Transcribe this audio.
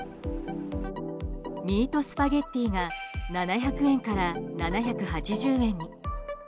ミートスパゲッティが７００円から７８０円に。